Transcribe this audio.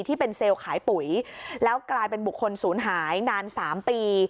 ที่เป็นเซลล์ขายปุ๋ยแล้วกลายเป็นบุคคลศูนย์หายนาน๓ปี